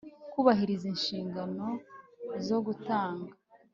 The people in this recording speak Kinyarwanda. Kubahiriza inshingano zo gutanga